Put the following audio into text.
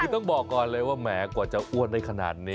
คือต้องบอกก่อนเลยว่าแหมกว่าจะอ้วนได้ขนาดนี้